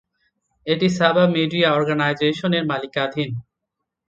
এটি Saba media অর্গানাইজেশনের মালিকানাধীন।